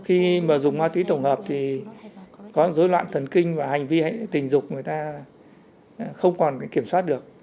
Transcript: khi mà dùng ma túy tổng hợp thì có dối loạn thần kinh và hành vi hãy tình dục người ta không còn kiểm soát được